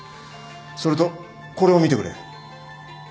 それとこれを見てくれ。